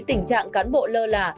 tình trạng cán bộ lơ là